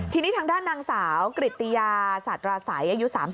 ที่นี้ทางด้านนางสาวกฤติยาสัตว์ราษัย